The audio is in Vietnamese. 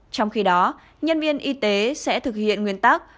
trong khi đó nhân viên y tế sẽ thực hiện nguyên tắc